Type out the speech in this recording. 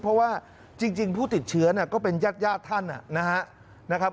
เพราะว่าจริงผู้ติดเชื้อก็เป็นญาติท่านนะครับ